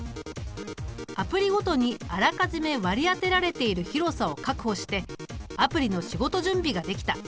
アプリごとにあらかじめ割り当てられている広さを確保してアプリの仕事準備ができた。